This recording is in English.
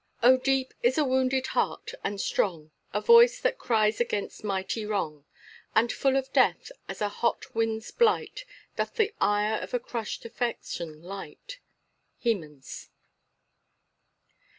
"Oh, deep is a wounded heart, and strong A voice that cries against mighty wrong! And full of death as a hot wind's blight. Doth the ire of a crushed affection light." Hemans.